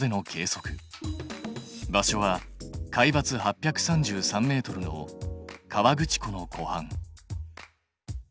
場所は海ばつ８３３ｍの河口湖のこはん。